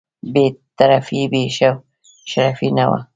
بې طرفي یې بې شرفي نه وه.